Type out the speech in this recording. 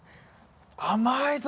甘いぞ。